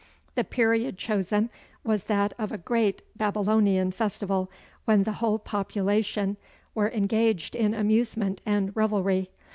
The period chosen was that of a great Babylonian festival, when the whole population were engaged in amusement and revelry.